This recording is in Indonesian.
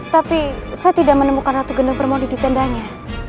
tapi saya tidak menemukan ratu gendeng permodi di tendanya